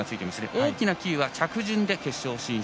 大きなＱは着順で決勝進出。